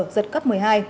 giật cấp một mươi hai